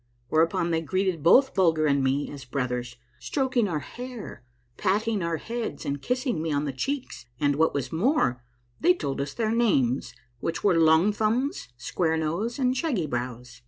Whereupon they greeted both Bulger and me as brothers, stroking our hair, patting our heads, and kissing me on the cheeks, and, what was more, they told us their names, wliich were Long Thumbs, Square Nose, and Shaggy Brows.